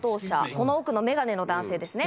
この奥の眼鏡の男性ですね。